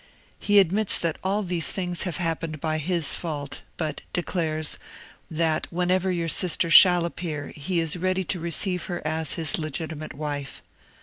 He admits, that all these things have happened by his fault; but declares, that whenever your sister shall appear, he is ready to receive her as his legitimate wife.